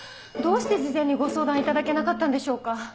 どうして事前にご相談いただけなかったんでしょうか？